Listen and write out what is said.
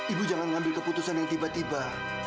ibu jangan ngambil keputusan yang tiba tiba